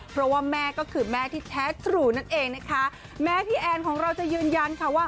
เพราะว่าแม่ก็คือแม่ที่แท้ตรู่นั่นเองนะคะแม้พี่แอนของเราจะยืนยันค่ะว่า